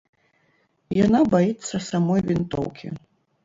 Яна баіцца самой вінтоўкі.